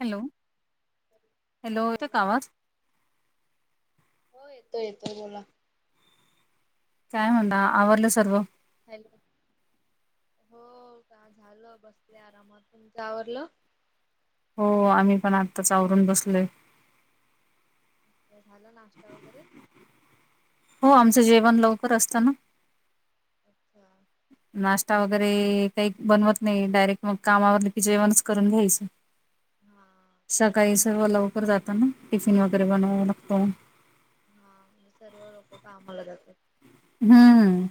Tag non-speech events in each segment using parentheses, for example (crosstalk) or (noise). Hello. Hello हा येतोय का बोला, आवाज हो येतोय येतोय बोला. काय म्हणा आवरल सर्व. हॅलो, हो का झाल बसले आरामात तुमच आवरल. हो आम्ही पण आत्ताच आवरून बसलोय. झालं नाश्ता वगैरे हो आमचं जेवण लवकर असतंना. अच्छा. नाश्ता वगैरे काही बनवत नाही डायरेक्ट मग कामावरलं की जेवणच करून घ्यायचं. हा. सकाळी सर्व लवकर जातात ना टिफिन वगैरे बनवाव लागतो. हाजे सर्व लोक कामाला जातात. हम्म.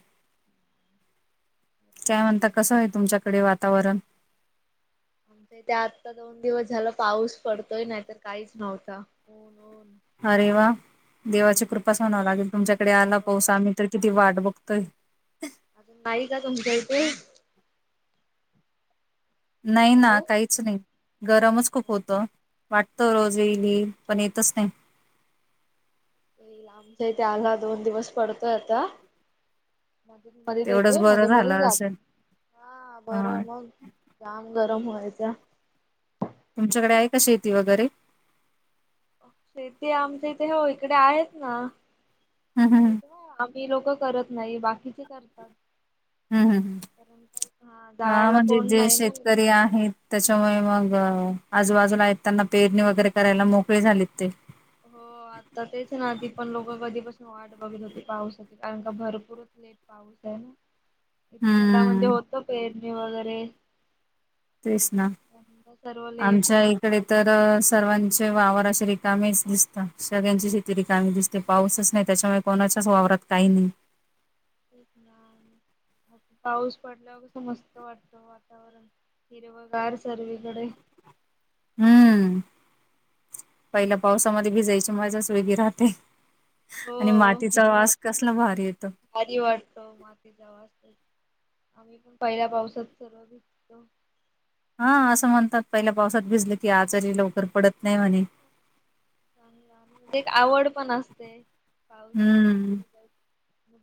काय म्हणता कस आहे तुमच्याकडे वातावरण. ते आत्ता दोन दिवस झाला पाऊस पडतोय नाहीतर काहीच नव्हत न ऊन. अरे वा देवाची कृपा स आता म्हणाव लागेल तुमच्याकडे आला पाऊस हो आम्ही तर किती वाट बघतोय. अजून नाही का तुमच्या इथे. नाही ना हॅलो. काहीच नाही. गरमच खूप होत वाटत रोज एइल एइल पण येतच नाही. एइल आमच्या ईते आला दोन दिवस पडतोय आता. मध मधत तेवढंच येतोय बरं मध्ये मध्ये झालं जात, असेल. हा बर हा मग जाम गरम व्हायचा. तुमच्याकडे आहे का शेती वगैरे. शेती आमच्या इथे हो इकडे आहेत ना हम्म हम्म आमच्या इथ. हो आम्ही लोक करत नाही बाकीचे करतात. हम् हम्, कारण हा जायला म्हणजे कोण जे नाही ना शेतकरी मित्र. आहेत. त्याच्यामुळे मग अ आजूबाजूला आहेत त्यांना पेरणी वगैरे करायला मोकळे झाले ते. हो. आता तेच ना आधी पण लोक कधीपासून वाट बघत होती पावसाची कारण का भरपूरच लेट.. पाऊस आहे ना, त्याला म्हणजे हम्म. होत पेरणी वगैरे. तेच ना, सर्व लेट आमच्या एक.. तिकडे तर सर्वांचे वावर असे रिकामेच दिसतात सगळ्यांची शेती रिकामी दिस... ते पाऊसच नाही त्याच्यामुळे कोणाच्याच वावरात काही नाही. पाऊस पडल्यावर कस मस्त वाटत वातावरण. हिरव गार सर्वीकडे. हम्म, पहिल्या पावसामध्ये भिजयची माजाच वेगळी राहते. आणि हो मातीचा मग वास कसला भारी येतो. भारी वाटतो मातीचा वास आम्ही पण पहिल्या पावसात सर्व भजतो. हा अस म्हणतात पहिल्या पावसात भिजल की आजारी लवकर पडत नाही म्हणे. चणजे एक आवड म्हणा पण असते पावसाची. हं,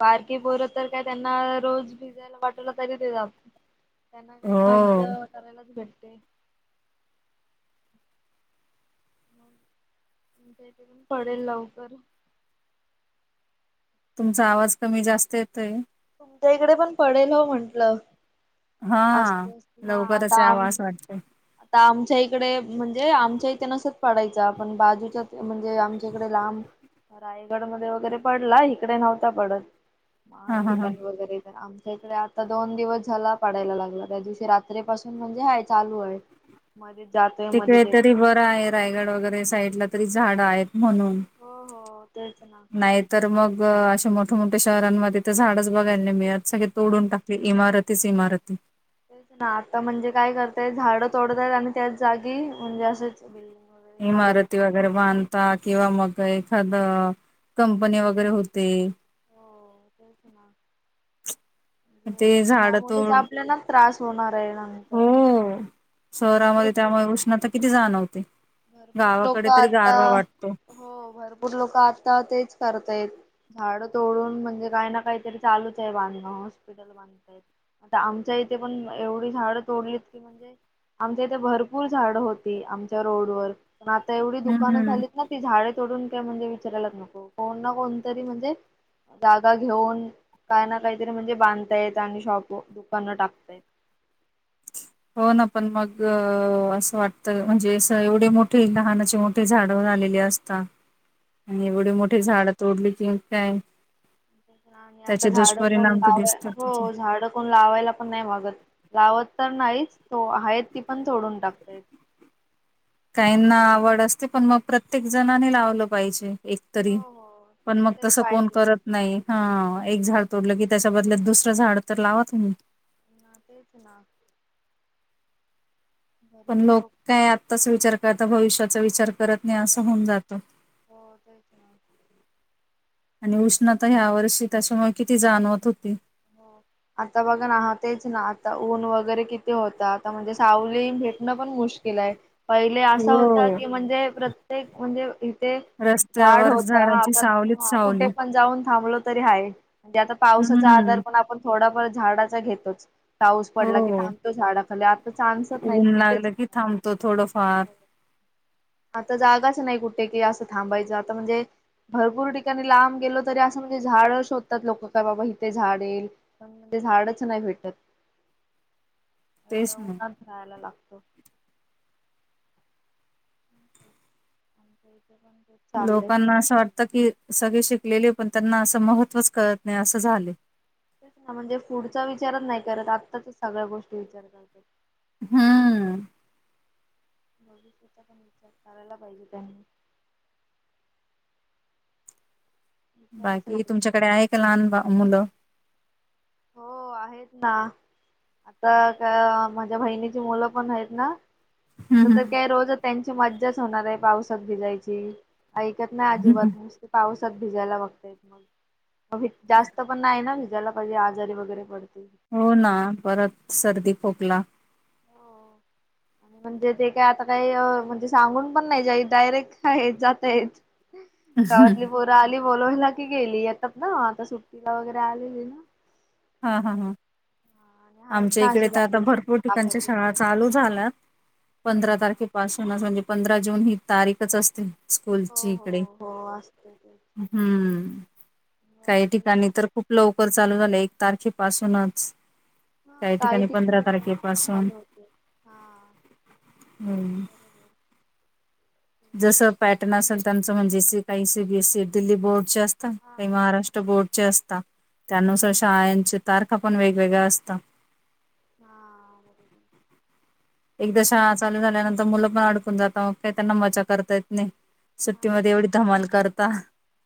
बारकी पोर तर काय त्यांना रोज भिजायला पाठवल तरी ते जात त्यांना काही मज हो. करायलाच भेटतय. पडेल लवकर तुमचा आवाज कमी जास्त येतोय. तुमच्या इकडे पण पडेल हो म्हंटल. हा लवकरच आता यावा आम अस वाटतंय. आता आमच्या इकडे म्हणजे आमच्या इथं नसच पाडायच पण बाजूच्या म्हणजे आमच्या कडे लांब रायगड मध्ये वगैरे पडला इकडे नव्हता पडत. महाड हां, हां, हां. ठिकाणी वगैरे तर आमच्या इकडे आता दोन दिवस झाला पडायला लागला त्या दिवशी रात्रीपासून म्हणजे हाय चालू आहे. मध्ये जाते. तिकडे तरी बरं आहे रायगड वगैरे साईडला तरी झाडं आहेत म्हणून हो हो तेच ना नाही तर मग अे मोठया मोठ्या शहरांमध्ये तर झाडच बघायला नाही मिळत सगळे तोडून नाही. टाकले. इमारतीच इमारती तेच ना आता म्हणजे काय करताय झाडं तोडतायत आणि त्याच जागी म्हणजे असेच बिल्डिंग इमारत वगैरे बांधता किंवा मग एखाद कंपनी वगैरे होते. हो तेच ना ते म्हजे झाडं ह्यामुळेच तोड आपल्याला त्रास होणार आहे ना. हो शहरामध्ये त्यामुळे लोक उष्णता किती जाणवते. भरपूर गावाकडे लोक तरी आता गारवा वाटतो. हो भरपूर लोक आता तेच करताय. झाड तोडून म्हणजे काय ना काहीतरी चालूच आहे बांधकाम हॉस्पिटल आता आमच्या इथे पण एवढी झाडं तोडलीत की म्हणजे आमच्या इथे भरपूर झाड होती आमच्या रोडवर पण आता एवढी दुकानं हम्म झाली. ना ती झाडे तोडून काय म्हणजे विचारायलाच नको कोण ना कोणतरी म्हणजे जागा घेऊन काय ना काहीतरी म्हणजे बांधतायेत आणि शॉप दुकान टाकताय. हो ना पण मग असं वाटतं म्हणजे एवढे मोठे लहानाचे मोठे ते झाडवून आलेले असतात. आणि एवढी मोठी झाडं तोडली की काय आणि त्याचे आता झाड कोण दुष्परिणाम तर लाव दिसतात. हो झाड कोण लावायला पण नाही मागत लावत तर नाही तो आहेत ती पण सोडून टाकतेत काहीना आवड असते पण मग प्रत्येक जणाने लावलं पाहिजे. एकतरी हो हो पण मग एकतरी तसं कोण पाहिजे. करत. नाही हा एक झाड तोडलं की त्याच्या बदलत दुसरं झाड तर लावा तुम्ही ना तेच ना (unintelligible) पण लोक काय आत्ताच विचार करता भविष्याचा विचार करत. अस होऊन जात. हो तेच ना. आणि उष्णता ह्या वर्षी त्याच्यामुळे किती जाणवत होती. आता बघ ना तेच ना आता ऊन वगैरे किती होत आता म्हणजे सावली भेटणं पण मुश्कल लाय पहिले असा होता हो. की म्हणजे प्रत्येक म्हणजे ते झाड रस्त्यावर होत हा झाडांची प्रत्येक सावलीच हा सावली कुठे पण जाऊन थांबल तरी आहे. म्हणजे आता पावसाचा हम्म आधार पण आपण थोडाफार झाडाचा घेतोच. पाऊस पडला की हो थांबतो झाडाखाली आता चान्सच नाहीत ऊन कुठेच? लागलं की थांबतो थोडंफार (inaudible) आता जागाच नाही कुठे कि असं थांबायचं आता म्हणजे. भरपूर ठिकाणी लांब गेलो तरी असं म्हणजे झाडं शोधतात लोक काय बाबा. ते झाडे, ते झाडच नाही भेटत. तेच ना. जायला लागतो. (inaudible) लोकांना असं वाटतं की सगळे शिकलेले पण त्यांना असं महत्त्वच कळत नाही असं झाले. नाही म्हणजे फूडचा विचारच नाही करत आत्ताचच सगळ्या गोष्टी विचार करतात. हम्म. फुडचा पण विचार करायला पाहिजे त्यांनी. विचारच बाकी नाही तुमच्याकडे आहे का लहान मुलं? हो आहेत ना. आता काय माझ्या बहिणीची मुलं पण आहेत ना. आता तर काही रोज त्यांची मज्जाच होणार आहे पावसात भिजायची ऐकत नाही अजिबात न. पावसात भिजायला बघतात म्हणजे जास्त पण नाही ना भिजायला पाहिजे. आजारी वगैरे पडतील. हो ना परत सर्दी, खोकला. आणि म्हणजे ते काय आता काही म्हणजे सांगून पण नाहीई डायरेक्ट आहेत जातय आहेत. गावातली पोरं आली बोलवुन गेली येतात ना आता सुट्टीला वगैरे आलेली ना- हा आणि हा ह, हा आणि आहेत आमच्या ना इकडे असे तर आता बाजूचे भरपूर ठिकाणच्या काकाचे शाळा वगैरे. चालू झाल्यात. पंधरा हा तारखेपासूनच म्हणजे पंधरा जून ही तारीखच असते. हो स्कूलची हो इकडे हो असते हम्म काही ते. ठिकाणी तर खूप लवकर चालू झालं एक तारखेपासूनच. हा काही ठिकाणी पंधरा तारखे लवकर पासून, चालू होते हा हम्‌ बरोबर जसं पॅटर्न असेल त्यांचं म्हणजे काही सीबीएस सी. दिल्ली बोर्डचे असतात हा काही महाराष्ट्र बोर्डचे असतात. त्यानुसार शाळंच्या तारखा पण वेगवेगळ्या असतात. (inaudible) एकदा शाळा चालू झाल्यानंतर मुलं पण अडकून जातात काही त्यांना मजा करता येत नाही. नाही सुट्टीमध्ये ना एवढी धमाल करता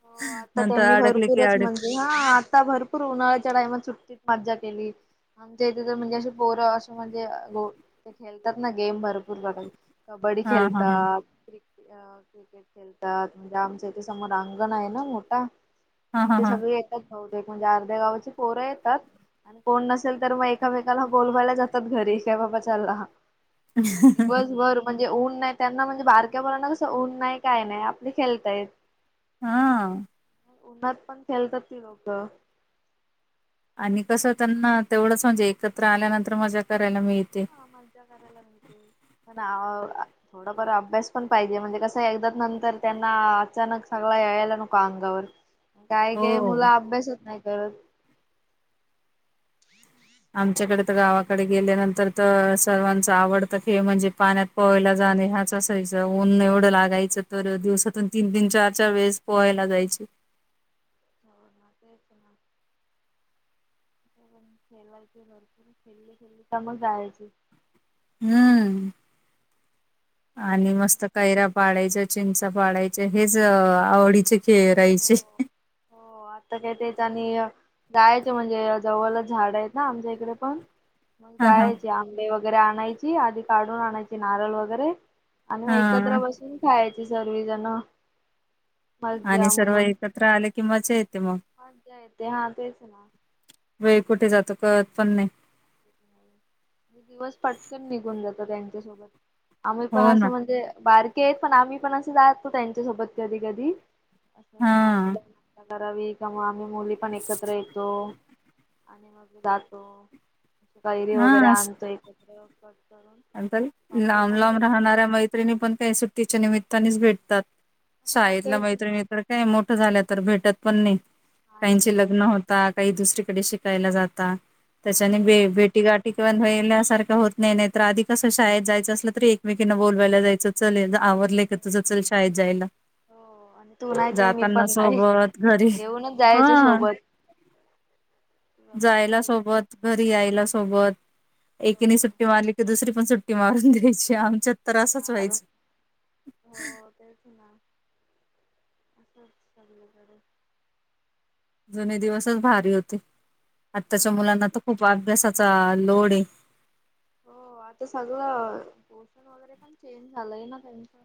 हो आता नंतर त्यांनी अडकले की भरपूरच अड म्हणजे हा आता भरपूर उन्हाळ्याच्या टाइमात सुट्टीत मज्जा केली. आमच्या इथे तर म्हणजे अस पोर असं म्हणजे ग ते खेळतात ना गेम भरपूर सगळं. कबड्डी हा हा हा खेळतात, क्रिकेट खेळतात म्हणजे आमच इथे समोर अंगण आहे ना मोठा हा हा तिथे हा. सगळे. तेक म्हणजे अर्ध्या गावाची पोरं येतात. कोण नसेल तर मग एकामेकाला बोलवायला जातात घरी काय बाबा चाला ह. पण दिवसभर म्हणजे ऊन नाही त्यांना म्हणजे बारक्यावररना कसं ऊन. नाही काय नाही आपले खेळताय. हा. उन्हात पण खेळतात ती लोकं. आणि कसं त्यांना तेवढंच म्हणजे एकत्र आल्यानंतर माझ्या करायला मीळते. हा. थोडाफार अभ्यास पण पाहिजे म्हणजे कस एकदाच नंतर त्यांना अचानक सग यायला नको अंगावर. काही काही हो. मुल अभ्यासच नाही करत. आमच्याकडे तर गावाकडे गेल्यानंतर तर सर्वांच आवडतं हे म्हणजे पाण्यात पोहायला जाणे हाच असायचा ऊन एवढं लागायचं तर दिवसातून तीन, तीन चार, चार वेळेस पोहायला जायचे. (inaudible) खेलवायचे भरपूर खेळली, खेळली तर मग जायचे. हं तेच आणि ना. मस्त कैराब. पाडायचं चिंचा, पाडायच हेच आवडीचे खेळ राहयचे. म आता काय तेच आणि जायच म्हणजे जवल झाड आहेत ना आमच्या इकडे पण. मग हां हां. जायचे आंब वगैरे आणायची आधी काढून आणायची नारळ वगैरे. आणि मग एकत्र हां बसून खायची सर्वि जण. आणि सर्व एकत्र आले किं मजा येते म. मज्जा येते हा तेच ना वेळ कुठे जातो कळत पण नाही. (inaudible) दिवस पटकन निघून जातो त्यांच्यासोबत आम्ही पण हो ना. असं म्हणजे बारीक. ते पण आम्ही पण असं जातो त्यांच्यासोबत कधी, कधी. हां. करावी का म आम्ही मुली पण एकत्र येतो आणि मग जातो. कैरी वगैरे आणतो एकत्र. आंकल कापून लांब, वगैरे लांब खातो. राहणाऱ्या मैत्रिणी पण काही सुट्टीच्या निमित्तानेच भेटतात. हो शाळेतला तेच मैत्रिणी तर काय मोठ झाल्या तर भेटत पण नाही नाही काहीची भेटत. लग्न हो ता, काही दुसरीकडे शिकायला जाता, हो त्याच्यानेे भेटी गाठी (unintelligible) तर आधी कसं शाळेत जायचं असलं तरी एकमेकीनं बोवायला जायचो चल ये आवर. ले क तुज चल शाळेत जायला. हो तू नाही तर मी जाताना पण नाही सोबत घरी घेऊनच हा जायचो सोबत. बाबा जायला चल. सोबत घरी यांयला सोबत, हो एकिने सुट्टी मारली की दुसरी पण सुट्टी मारून द्यायची आमच्यात. तर असंच येणार. व्हायचं. (inaudible) जुने दिवसच भारी होते, आत्ताच्या भारी मुलांना होती. तर खूप अभ्यासाचा लोड हे. हो आता सगळं पोर्षण वगैरे पण चेंज झालंय ना त्यांचं.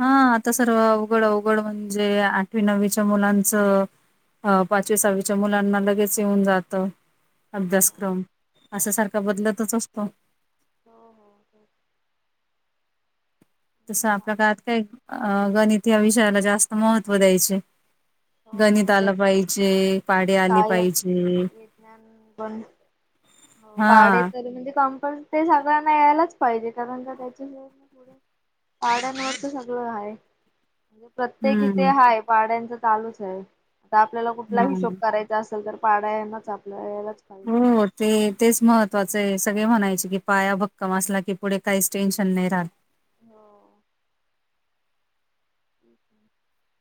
हा आता सर्व अवघड, अवघड म्हणजे आठवी नववीच्या मुलांचं. अ पाचवी, सहावीच्या मुलांना लगेच येऊन जातं. हो अभ्यासक्रम असा सारखा बदलतच असतो. हो, हो, हो! तसं आपल्या चालेल. काळात काय अ गणित या विषयाला जास्त महत्त्व द्यायचे. गणित हो ते आलं पाहिजे, पाडे आले सायन पाहिजे. विज्ञान गण हो पाडे हा. तरी म्हणजे कंपल ते सगळ्यांना यायलाच पाहिजे कारण कां त्याच्यामूळ पुढ पाड्यांवर तर सगळं आहे. प्रत्येक इथे हम्म हाय, पाड्यांच चालूच आहे, आता आपल्याला कुठला हिशोब हम्म. कराय चा असेल तर पाडा ये नाच आपल यांलाच पाहिजे. हो ते तेच महत्वाचं आहे सगळे म्हणायचे की पाया भक्कम असला की पुढे काहीच टेन्शन नाही राहत. हो, (inaudible)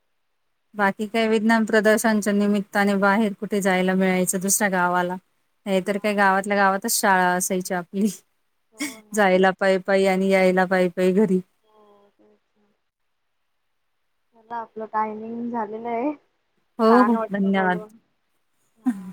(inaudible) बाकी काय विज्ञान प्रदर्शनच्या निमित्ताने, बाहेर कुठे जायला मिळायचं दुसऱ्या गावाला. हे तर हा काय, गावातल्या गावातच शाळा असायची आपली. हो ना जायला तेच पाय पाई आणि यायला पाय पाई घरी. हो, ते चला आपलं टायमिंग झालेलं य. हो हो छान वाटतं धन्यवाद. बोलून. हा.